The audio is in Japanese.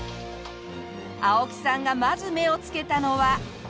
青木さんがまず目をつけたのは。